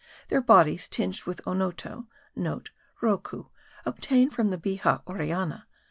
Their bodies tinged with onoto,* (* Rocou, obtained from the Bixa orellana.